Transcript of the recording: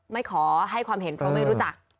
ไม่ขอให้ความเห็นเพราะไม่รู้จัก